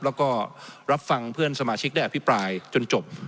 แล้วก็รับฟังเพื่อนสมาชิกได้อภิปรายจนจบ